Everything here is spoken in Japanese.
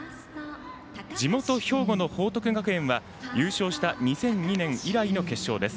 地元兵庫の報徳学園は優勝した２００２年以来の決勝です。